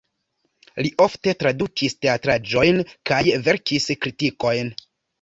Li ofte tradukis teatraĵojn kaj verkis kritikojn.